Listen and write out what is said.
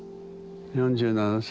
４７歳。